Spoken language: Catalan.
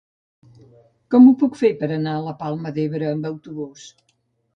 Com ho puc fer per anar a la Palma d'Ebre amb autobús?